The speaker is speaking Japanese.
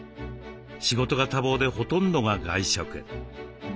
仕事が多忙でほとんどが外食。